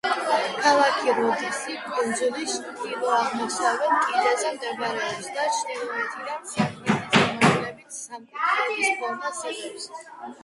ქალაქი როდოსი კუნძულის ჩრდილო-აღმოსავლეთ კიდეზე მდებარეობს და ჩრდილოეთიდან სამხრეთის მიმართულებით სამკუთხედის ფორმას იღებს.